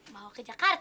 mau ke jakarta